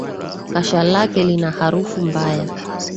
Kasha lake lina harufu mbaya